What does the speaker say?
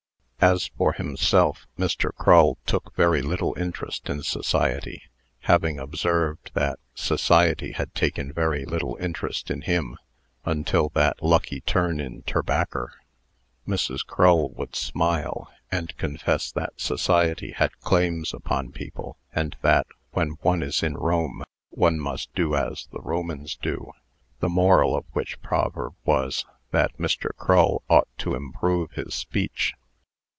As for himself, Mr. Crull took very little interest in society, having observed that society had taken very little interest in him until that "lucky turn in terbacker." Mrs. Crull would smile, and confess that society had claims upon people, and that, when one is in Rome, one must do as the Romans do. The moral of which proverb was, that Mr. Crull ought to improve his speech.